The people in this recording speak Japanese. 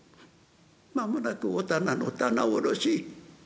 間もなくお店の棚卸し。